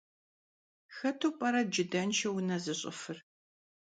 Xetu p'ere cıdenşşeu vune zış'ıfır?